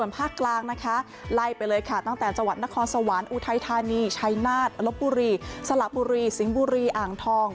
ภาคกลางนะคะไล่ไปเลยค่ะตั้งแต่จังหวัดนครสวรรค์อุทัยธานีชัยนาฏลบบุรีสละบุรีสิงห์บุรีอ่างทอง